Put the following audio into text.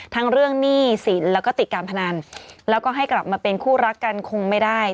ทั้งเรื่องหนี้สินแล้วก็ติดการพนันแล้วก็ให้กลับมาเป็นคู่รักกันคงไม่ได้